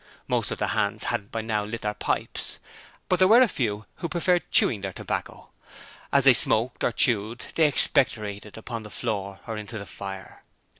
Most of the hands had by now lit their pipes, but there were a few who preferred chewing their tobacco. As they smoked or chewed they expectorated upon the floor or into the fire.